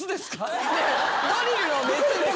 ドリルの雌です。